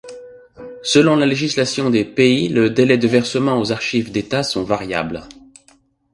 Selon la législation des pays, le délai de versement aux archives d’État sont variables.